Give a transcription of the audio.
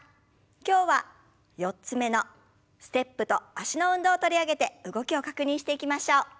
今日は４つ目のステップと脚の運動を取り上げて動きを確認していきましょう。